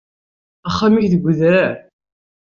Axxam-ik deg udrar.